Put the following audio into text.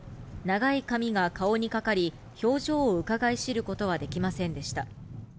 長い髪が顔にかかり、表情をうかがい知ることはできませんでした。